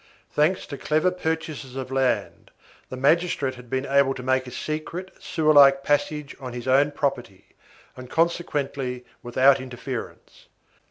Thanks to clever purchasers of land, the magistrate had been able to make a secret, sewer like passage on his own property, and consequently, without interference.